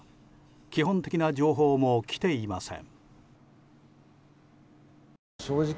基本的な情報も来ていません。